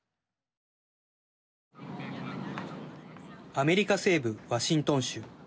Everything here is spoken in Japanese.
アメリカ西部ワシントン州。